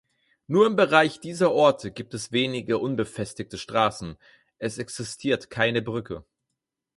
Nur im Bereich dieser Orte gibt es wenige unbefestigte Straßen; es existiert keine Brücke.